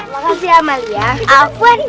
jangan masalah mas trigidi